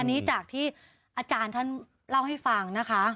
อันนี้จากที่อาจารย์ท่านเล่าให้ฟังนะคะ